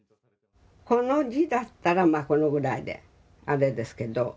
この字だったらまあこのぐらいであれですけど。